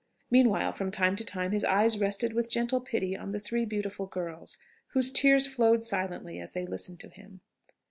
Meanwhile, from time to time his eyes rested with gentle pity on the three beautiful girls, whose tears flowed silently as they listened to him.